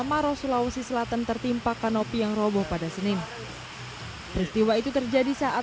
maros sulawesi selatan tertimpa kanopi yang roboh pada senin peristiwa itu terjadi saat